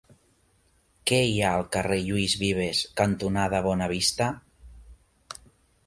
Què hi ha al carrer Lluís Vives cantonada Bonavista?